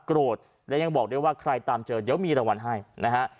โกรธและยังบอกด้วยว่าใครตามเจอเดี๋ยวมีรางวัลให้นะฮะ